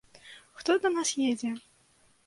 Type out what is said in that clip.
Хто да нас едзе?